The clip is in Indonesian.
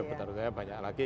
ya betul betul ya banyak laki